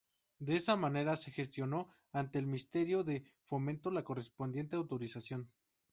De esa manera, se gestionó ante el Ministerio de Fomento la correspondiente autorización.